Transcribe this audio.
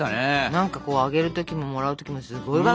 何かこうあげる時ももらう時もすごいワクワクしない？